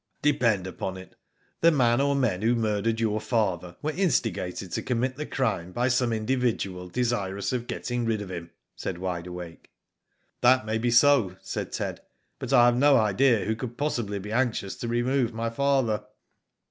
Depend upon it the man or men who murdered your father were instigated to commit the crime by some individual desirous of getting rid of him/' said Wide Awake. "That may be so," said Ted; "but I have no idea who could possibly be anxious to remove my father."